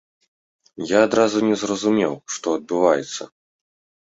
Я адразу не зразумеў, што адбываецца.